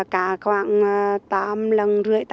cá khoảng tám lần rưỡi